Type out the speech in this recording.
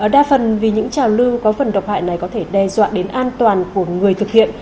đa phần vì những trào lưu có phần độc hại này có thể đe dọa đến an toàn của người thực hiện